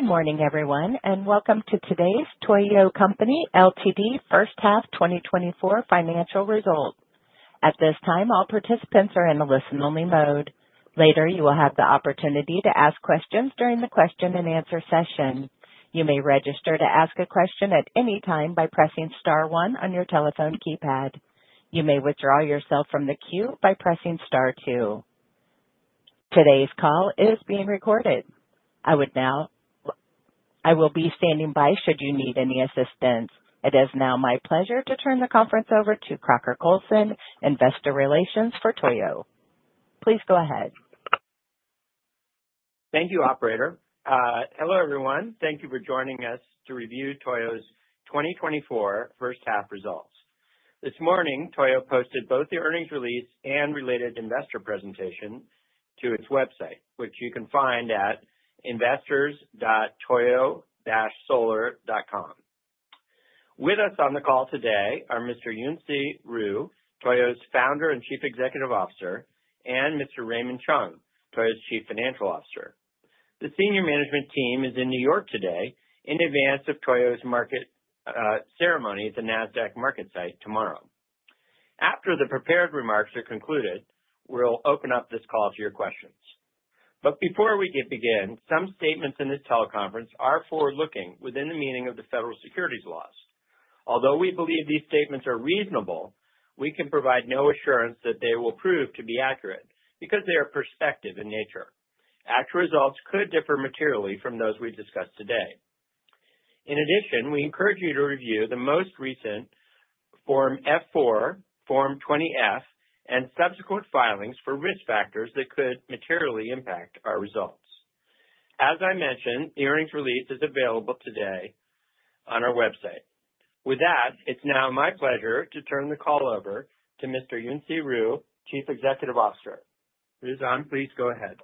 Good morning, everyone, and welcome to today's TOYO Co., Ltd. First Half 2024 financial results. At this time, all participants are in a listen-only mode. Later, you will have the opportunity to ask questions during the question-and-answer session. You may register to ask a question at any time by pressing star one on your telephone keypad. You may withdraw yourself from the queue by pressing star two. Today's call is being recorded. I will be standing by should you need any assistance. It is now my pleasure to turn the conference over to Crocker Coulson, Investor Relations for TOYO. Please go ahead. Thank you, Operator. Hello, everyone. Thank you for joining us to review Toyo's 2024 first half results. This morning, Toyo posted both the earnings release and related investor presentation to its website, which you can find at investors.toyo-solar.com. With us on the call today are Mr. Junsei Ryu, Toyo's Founder and Chief Executive Officer, and Mr. Raymond Chung, Toyo's Chief Financial Officer. The senior management team is in New York today in advance of Toyo's market ceremony at the Nasdaq MarketSite tomorrow. After the prepared remarks are concluded, we'll open up this call to your questions. But before we begin, some statements in this teleconference are forward-looking within the meaning of the federal securities laws. Although we believe these statements are reasonable, we can provide no assurance that they will prove to be accurate, because they are prospective in nature. Actual results could differ materially from those we discuss today. In addition, we encourage you to review the most recent Form F-4, Form 20-F, and subsequent filings for risk factors that could materially impact our results. As I mentioned, the earnings release is available today on our website. With that, it's now my pleasure to turn the call over to Mr. Junsei Ryu, Chief Executive Officer. Ryu-san, please go ahead.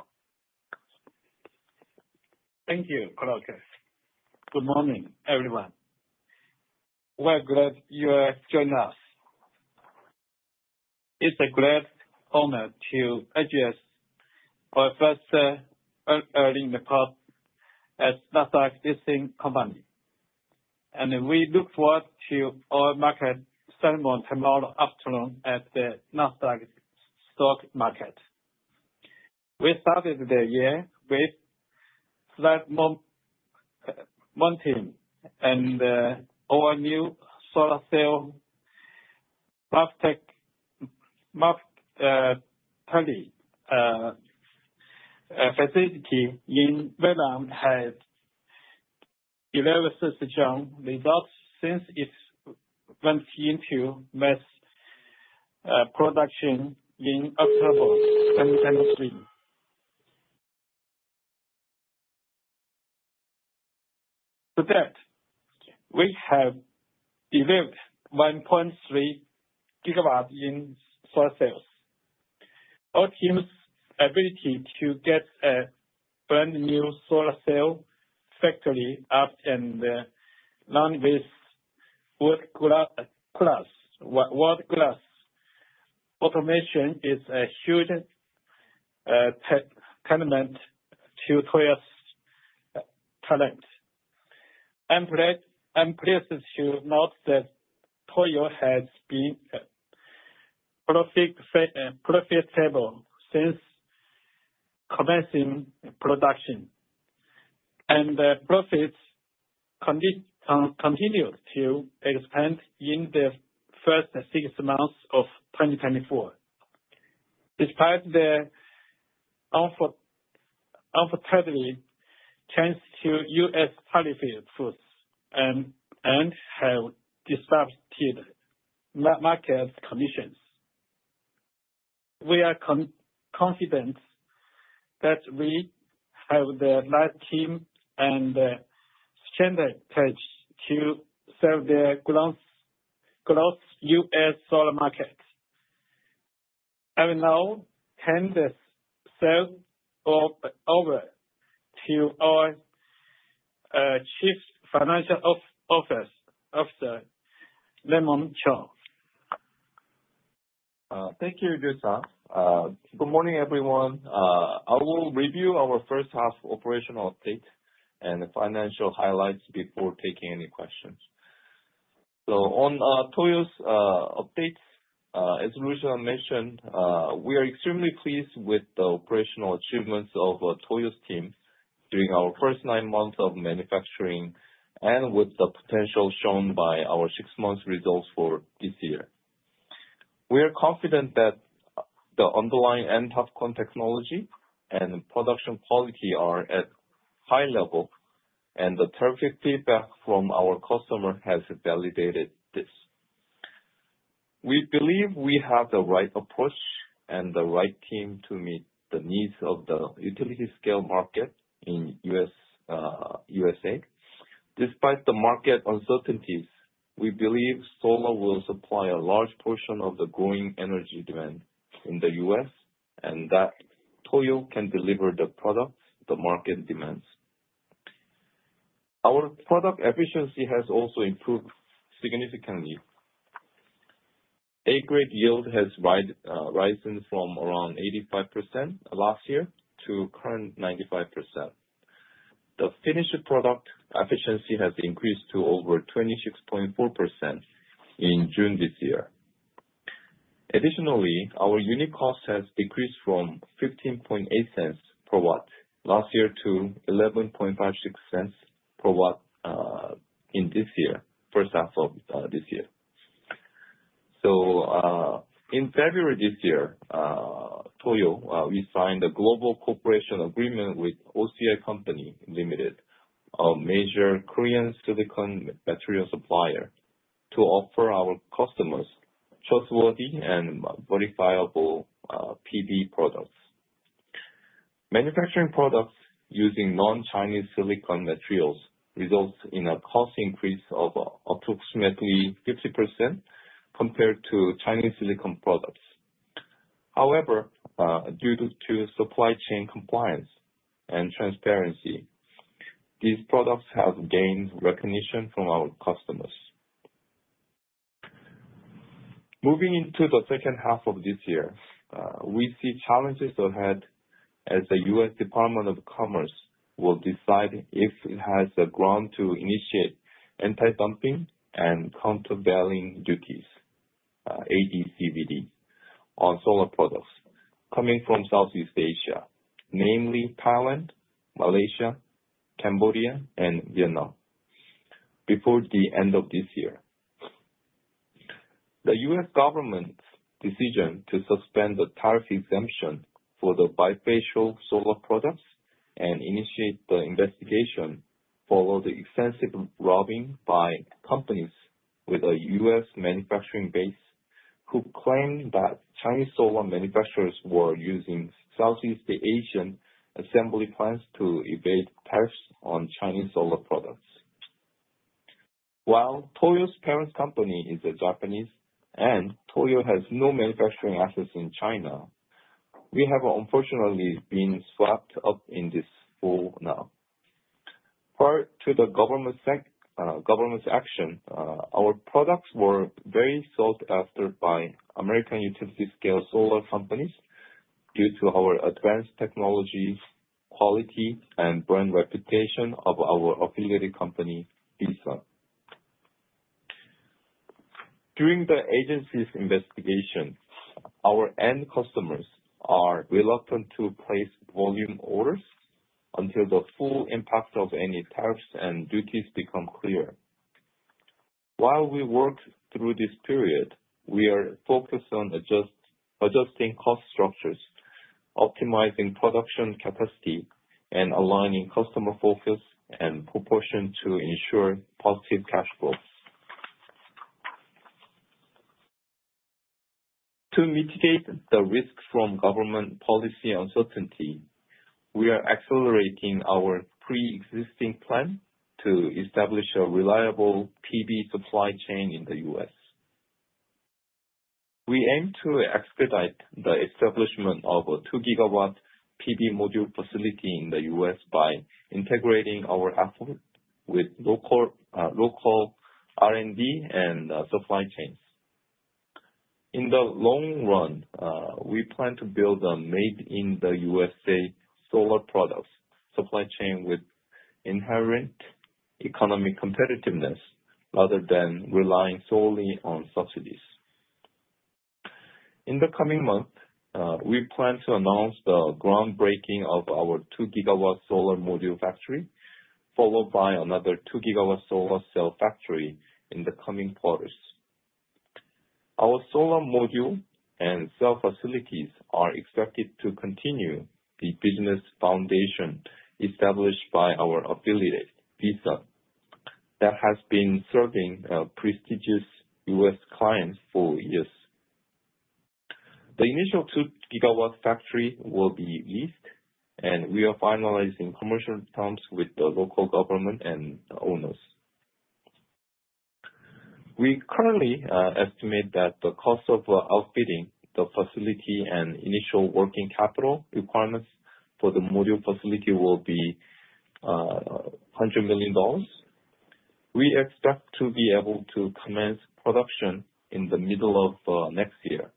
Thank you, Crocker. Good morning, everyone. We're glad you have joined us. It's a great honor to address our first earnings call as Nasdaq-listed company, and we look forward to our market ceremony tomorrow afternoon at the Nasdaq Stock Market. We started the year with solid momentum, and our new solar cell manufacturing facility in Vietnam has delivered strong results since it went into mass production in October 2023. To date, we have delivered 1.3 GW in solar cells. Our team's ability to get a brand-new solar cell factory up and running with world-class automation is a huge testament to Toyo's talent. I'm glad, I'm pleased to note that Toyo has been profitable since commencing production, and profits continued to expand in the first six months of 2024. Despite the uncertainty, thanks to U.S. policy headwinds and have disrupted market conditions. We are confident that we have the right team and standard touch to serve the growth, growth US solar market. I will now hand the sale over to our Chief Financial Officer, Raymond Chung. Thank you, Ryu-san. Good morning, everyone. I will review our first half operational update and the financial highlights before taking any questions. So, on Toyo's updates, as Ryu-san mentioned, we are extremely pleased with the operational achievements of Toyo's team during our first nine months of manufacturing and with the potential shown by our six-month results for this year. We are confident that the underlying N-type TOPCon technology and production quality are at high level, and the perfect feedback from our customer has validated this. We believe we have the right approach and the right team to meet the needs of the utility scale market in US, USA. Despite the market uncertainties, we believe solar will supply a large portion of the growing energy demand in the US, and that Toyo can deliver the products the market demands. Our product efficiency has also improved significantly. A-grade yield has risen from around 85% last year to current 95%. The finished product efficiency has increased to over 26.4% in June this year. Additionally, our unit cost has decreased from $0.158 per watt last year, to $0.1156 per watt in the first half of this year. So, in February this year, Toyo, we signed a global cooperation agreement with OCI Company Ltd., a major Korean silicon material supplier, to offer our customers trustworthy and verifiable, PV products. Manufacturing products using non-Chinese silicon materials results in a cost increase of approximately 50% compared to Chinese silicon products. However, due to supply chain compliance and transparency, these products have gained recognition from our customers. Moving into the second half of this year, we see challenges ahead as the U.S. Department of Commerce will decide if it has the ground to initiate anti-dumping and countervailing duties, AD/CVD, on solar products coming from Southeast Asia, namely Thailand, Malaysia, Cambodia, and Vietnam, before the end of this year. The U.S. government's decision to suspend the tariff exemption for the bifacial solar products and initiate the investigation, followed the extensive lobbying by companies with a U.S. manufacturing base, who claimed that Chinese solar manufacturers were using Southeast Asian assembly plants to evade tariffs on Chinese solar products. While Toyo's parent company is a Japanese, and Toyo has no manufacturing assets in China, we have unfortunately been swept up in this probe now. Prior to the government's action, our products were very sought after by American utility-scale solar companies due to our advanced technologies, quality, and brand reputation of our affiliated company, VSUN. During the agency's investigation, our end customers are reluctant to place volume orders until the full impact of any tariffs and duties become clear. While we work through this period, we are focused on adjusting cost structures, optimizing production capacity, and aligning customer focus and proportion to ensure positive cash flow. To mitigate the risks from government policy uncertainty, we are accelerating our pre-existing plan to establish a reliable PV supply chain in the U.S. We aim to expedite the establishment of a 2 GW PV module facility in the U.S. by integrating our technology with local R&D and supply chains. In the long run, we plan to build a made in the U.S.A. solar products supply chain with inherent economic competitiveness, rather than relying solely on subsidies. In the coming month, we plan to announce the groundbreaking of our 2 GW solar module factory, followed by another 2 GW solar cell factory in the coming quarters. Our solar module and cell facilities are expected to continue the business foundation established by our affiliate, VSUN, that has been serving prestigious U.S. clients for years. The initial 2GW factory will be leased, and we are finalizing commercial terms with the local government and owners. We currently estimate that the cost of outfitting the facility and initial working capital requirements for the module facility will be $100 million. We expect to be able to commence production in the middle of next year,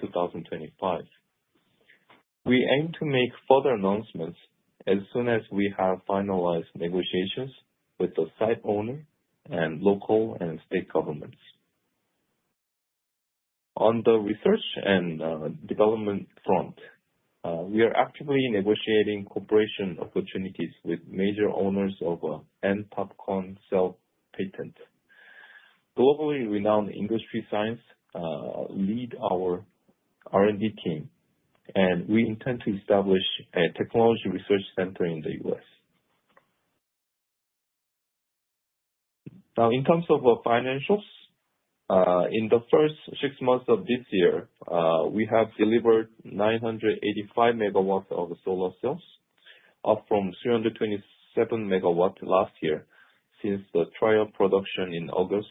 2025. We aim to make further announcements as soon as we have finalized negotiations with the site owner, and local and state governments. On the research and development front, we are actively negotiating cooperation opportunities with major owners of N-type TOPCon cell patent. Globally renowned industry scientists lead our R&D team, and we intend to establish a technology research center in the US. Now, in terms of financials, in the first six months of this year, we have delivered 985 megawatts of solar cells, up from 327 megawatts last year, since the trial production in August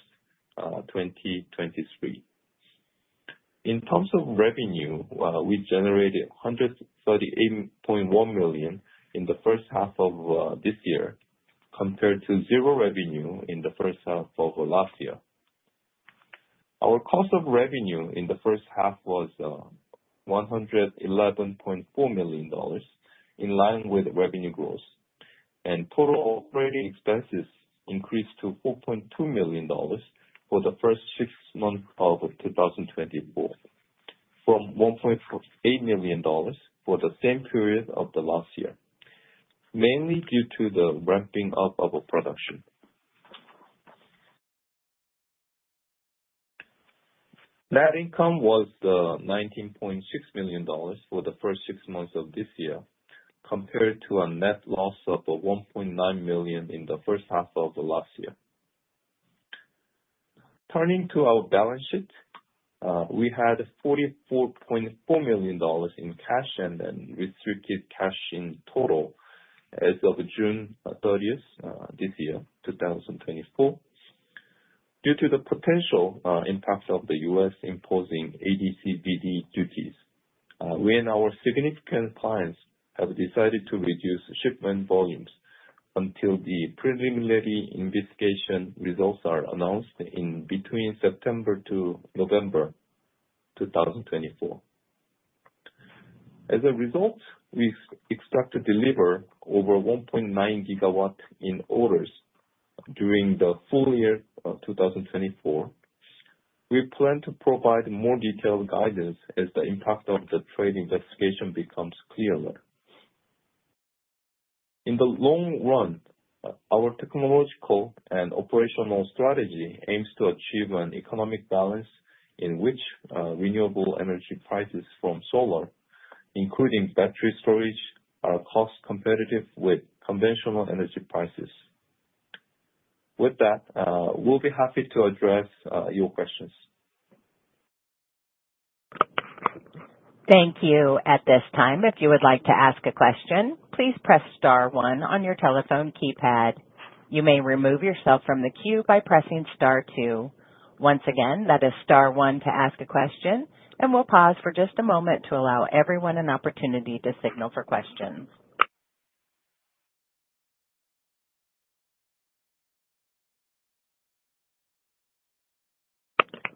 2023. In terms of revenue, we generated $138.1 million in the first half of this year compared to zero revenue in the first half of last year. Our cost of revenue in the first half was $111.4 million, in line with revenue growth, and total operating expenses increased to $4.2 million for the first six months of 2024, from $1.8 million for the same period of the last year, mainly due to the ramping up of our production. Net income was $19.6 million for the first six months of this year, compared to a net loss of $1.9 million in the first half of the last year. Turning to our balance sheet, we had $44.4 million in cash and then restricted cash in total as of June thirtieth this year, 2024. Due to the potential impact of the U.S. imposing AD/CVD duties, we and our significant clients have decided to reduce shipment volumes until the preliminary investigation results are announced in between September to November 2024. As a result, we expect to deliver over 1.9 GW in orders during the full year of 2024. We plan to provide more detailed guidance as the impact of the trade investigation becomes clearer. In the long run, our technological and operational strategy aims to achieve an economic balance in which renewable energy prices from solar, including battery storage, are cost competitive with conventional energy prices. With that, we'll be happy to address your questions. Thank you. At this time, if you would like to ask a question, please press star one on your telephone keypad. You may remove yourself from the queue by pressing star two. Once again, that is star one to ask a question, and we'll pause for just a moment to allow everyone an opportunity to signal for questions.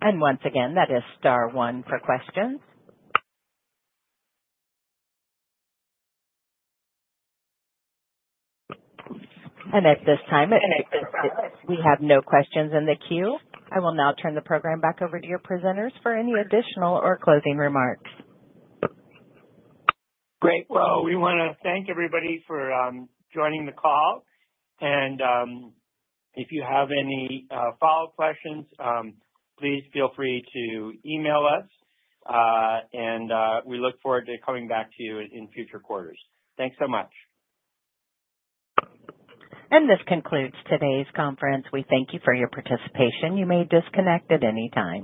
And once again, that is star one for questions. And at this time, we have no questions in the queue. I will now turn the program back over to your presenters for any additional or closing remarks. Great. Well, we wanna thank everybody for joining the call, and if you have any follow-up questions, please feel free to email us, and we look forward to coming back to you in future quarters. Thanks so much. And this concludes today's conference. We thank you for your participation. You may disconnect at any time.